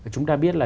chúng ta biết là